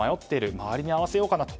周りに合わせようかなと。